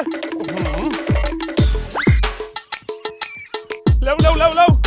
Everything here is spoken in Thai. เร็ว